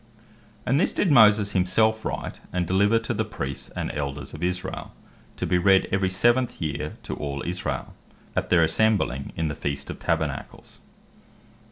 (Deut. 31. 9) And this did Moses himself write, and deliver to the Priests and Elders of Israel, to be read every seventh year to all Israel, at their assembling in the feast of Tabernacles.